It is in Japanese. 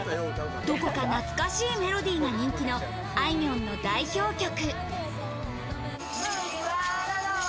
どこか懐かしいメロディーが人気のあいみょんの代表曲。